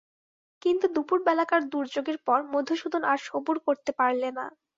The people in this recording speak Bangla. কিন্তু দুপুরবেলাকার দুর্যোগের পর মধুসূদন আর সবুর করতে পারলে না।